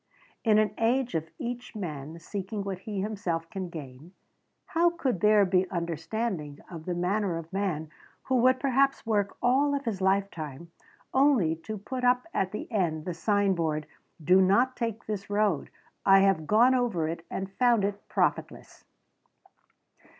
In an age of each man seeking what he himself can gain, how could there be understanding of the manner of man who would perhaps work all of his lifetime only to put up at the end the sign board: "Do not take this road. I have gone over it and found it profitless."